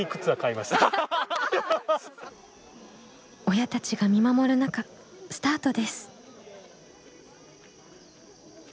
親たちが見守る中スタートです。